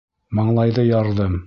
Маңлайҙы ярҙым!